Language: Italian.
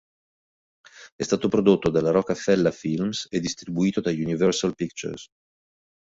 È stato prodotto dalla Roc-A-Fella Films e distribuito da Universal Pictures.